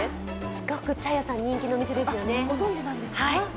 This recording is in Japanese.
すごくチャヤさん、人気のお店ですよね。